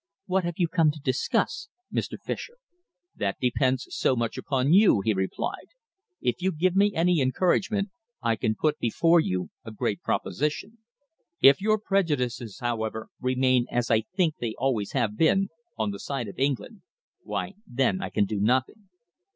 "What have you come to discuss, Mr. Fischer?" "That depends so much upon you," he replied. "If you give me any encouragement, I can put before you a great proposition. If your prejudices, however, remain as I think they always have been, on the side of England, why then I can do nothing."